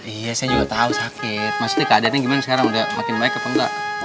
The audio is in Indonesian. iya saya juga tahu sakit maksudnya keadaannya gimana sekarang udah makin baik apa enggak